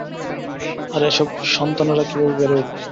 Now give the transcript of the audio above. আর এসব সন্তানেরা কীভাবে বেড়ে উঠবে?